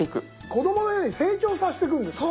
子供のように成長させていくんですね？